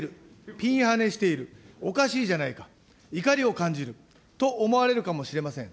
ピンハネしている、おかしいじゃないか、怒りを感じると思われるかもしれません。